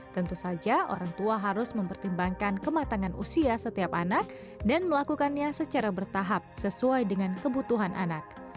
tentu saja orang tua harus mempertimbangkan kematangan usia setiap anak dan melakukannya secara bertahap sesuai dengan kebutuhan anak